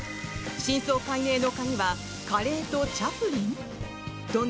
真相解明の鍵はカレーとチャプリン？